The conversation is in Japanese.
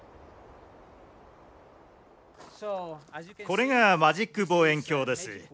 これが「マジック望遠鏡」です。